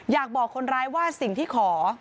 อยากบอกคนร้ายว่าสิ่งที่ขอ